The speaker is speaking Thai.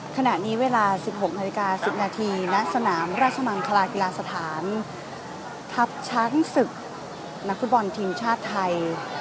ขณะนี้เวลา๑๖นาฬิกา๑๐นาทีณสนามราชมังคลากีฬาสถานทัพช้างศึกนักฟุตบอลทีมชาติไทย